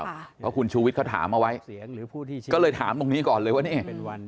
เพราะคุณชูวิทย์เขาถามเอาไว้ก็เลยถามตรงนี้ก่อนเลยว่าเนี่ย